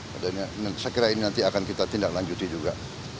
saya kira ini nanti akan kita tindak lanjuti juga